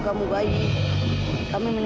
kami yang gembira